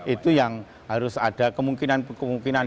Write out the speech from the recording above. itu yang harus ada kemungkinan kemungkinan